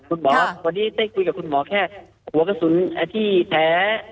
คุณหมอวันนี้ได้คุยกับคุณหมอแค่หัวกระสุนที่แท้